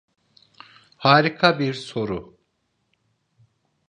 Harika bir soru.